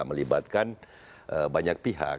melibatkan banyak pihak